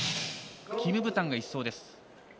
キム・ブタンが１走です。